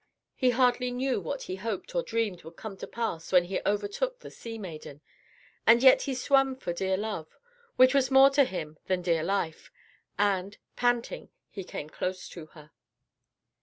He hardly knew what he hoped or dreamed would come to pass when he overtook the sea maiden, and yet he swam for dear love, which was more to him than dear life, and, panting, he came close to her.